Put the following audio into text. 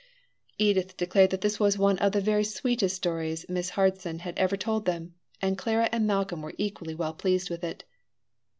Edith declared that this was one of the very sweetest stories Miss Harson had ever told them, and Clara and Malcolm were equally well pleased with it.